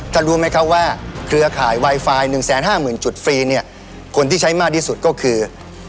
รู้ไหมครับว่าเครือข่ายไวไฟ๑๕๐๐๐จุดฟรีเนี่ยคนที่ใช้มากที่สุดก็คือ